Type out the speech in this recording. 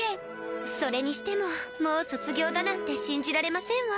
それにしてももう卒業だなんて信じられませんわ。